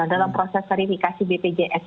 dalam proses verifikasi bpjs